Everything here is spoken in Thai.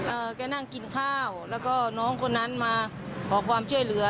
แกนั่งกินข้าวแล้วก็น้องคนนั้นมาขอความช่วยเหลือ